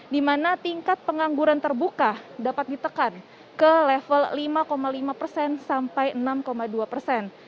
di mana tingkat pengangguran terbuka dapat ditekan ke level lima lima persen sampai enam dua persen